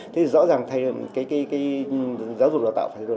thế thì rõ ràng cái giáo dục đào tạo